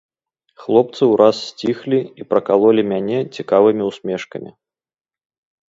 Хлопцы ўраз сціхлі і пракалолі мяне цікавымі ўсмешкамі.